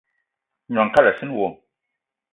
Gnong kalassina wo.